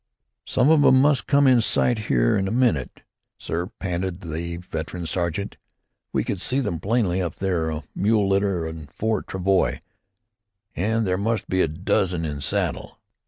"Some of 'em must come in sight here in a minute, sir," panted the veteran sergeant. "We could see them plainly up there a mule litter and four travois, and there must be a dozen in saddle."